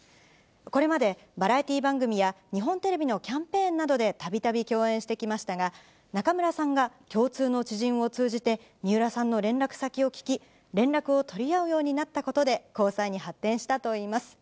これまで、バラエティ番組や、日本テレビのキャンペーンなどでたびたび共演してきましたが、中村さんが、共通の知人を通じて、水卜さんの連絡先を聞き、連絡を取り合うようになったことで、交際に発展したといいます。